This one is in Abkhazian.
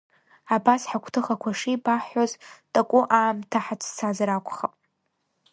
Абас ҳагуҭыхақуа шеибаҳҳәоз таку аамҭа ҳацәцазар акухап.